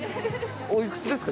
おいくつですか？